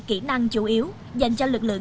kỹ năng chủ yếu dành cho lực lượng